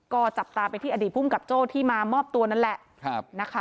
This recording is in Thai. ก็จับตาไปที่อดีตภูมิกับโจ้ที่มามอบตัวนั่นแหละนะคะ